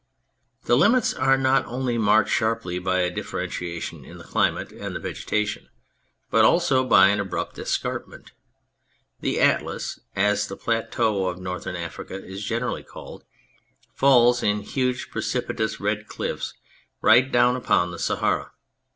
The limits are not only marked sharply by a differentiation in the climate and the vegetation, but also by an abrupt escarpment. The Atlas (as the plateau of Northern Africa is generally called) falls in huge, precipitous red cliffs right down upon the Sahara.